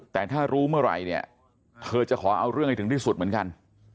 แต่ถ้ารู้เมื่อไหร่เนี่ยเธอจะขอเอาเรื่องให้ถึงที่สุดเหมือนกัน